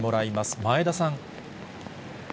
前田さん。